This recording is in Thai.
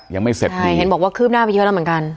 ยังไม่เสร็จใช่เห็นบอกว่าคืบหน้าไปเยอะแล้วเหมือนกัน